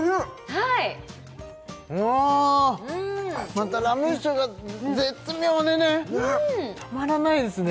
またラム酒が絶妙でねたまらないですね